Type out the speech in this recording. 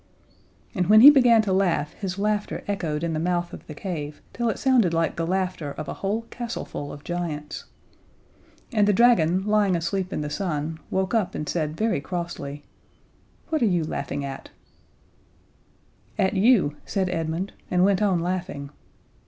And when he began to laugh his laughter echoed in the mouth of the cave till it sounded like the laughter of a whole castleful of giants. And the dragon, lying asleep in the sun, woke up and said very crossly: "What are you laughing at?" [Illustration: "That smells good, eh?" See page 152.] "At you," said Edmund, and went on laughing.